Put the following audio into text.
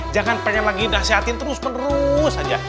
jangan lagi pengen dihasiatin terus menerus aja